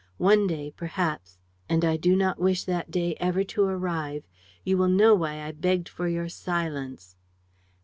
One day, perhaps and I do not wish that day ever to arrive you will know why I begged for your silence."